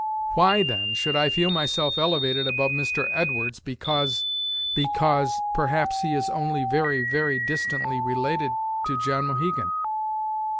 Why, then, should I feel myself elevated above Mr. Edwards, because because perhaps he is only very, very distantly related to John Mohegan?"